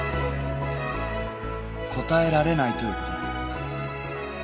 答えられないということですか？